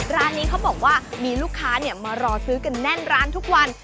ร้านนี้เขาบอกว่ามีลูกค้ามารอซื้อกันแน่นร้านทุกวัน